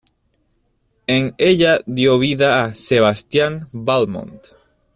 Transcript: En ella dio vida a Sebastián Valmont.